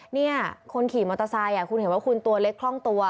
เนี่ยคนขี่มอเตอร์ไซค์คุณเห็นว่าคุณตัวเล็กคล่องตัว